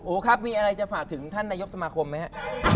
ครับมีอะไรจะฝากถึงท่านนายกสมาคมไหมครับ